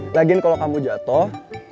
lagian kalo kamu jatuh